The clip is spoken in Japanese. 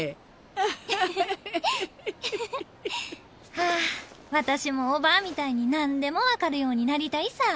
はぁ私もおばあみたいになんでも分かるようになりたいさ。